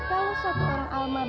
anakku ada lima orang